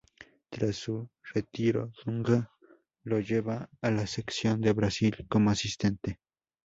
Tras su retiro Dunga lo lleva a la selección de Brasil como asistente.